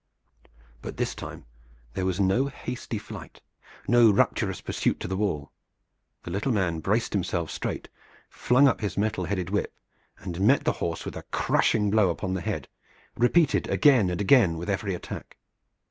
But this time there was no hasty flight, no rapturous pursuit to the wall. The little man braced himself straight, flung up his metal headed whip, and met the horse with a crashing blow upon the head, repeated again and again with every attack.